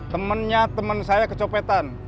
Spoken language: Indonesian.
temennya temen saya kecopet